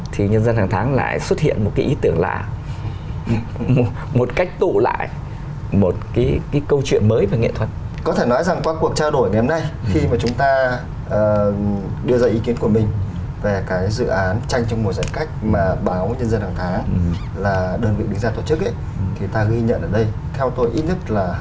thì ta ghi nhận ở đây theo tôi ít nhất là